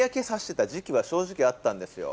時期は正直あったんですよ。